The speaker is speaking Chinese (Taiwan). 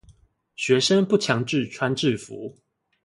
學生不強制穿制服